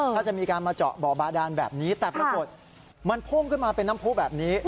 ถ้าจะมีการมาเจาะบ่อบาดานแบบนี้แต่ปรากฏมันพุ่งขึ้นมาเป็นน้ำผู้แบบนี้